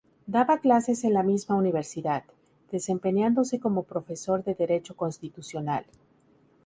Daba clases en la misma universidad, desempeñándose como profesor de Derecho Constitucional.